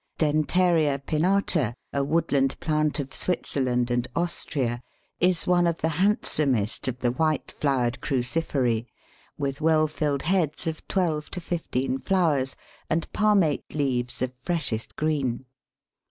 Dentaria pinnata, a woodland plant of Switzerland and Austria, is one of the handsomest of the white flowered cruciferæ, with well filled heads of twelve to fifteen flowers, and palmate leaves of freshest green.